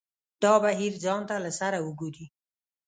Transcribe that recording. دا بهیر ځان ته له سره وګوري.